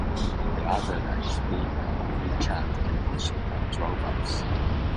On the other hand, being an only child can also have drawbacks.